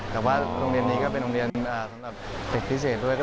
แต่ว่าโรงเรียนนี้ก็เป็นโรงเรียนสำหรับเด็กพิเศษด้วย